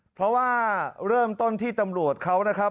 เพราะว่าเริ่มต้นที่ตำรวจเขานะครับ